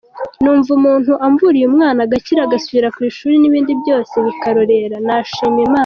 Numva umuntu amvuriye umwana agakira, agasubira ku ishuri n’ibindi byose bikaroreera nashima Imana.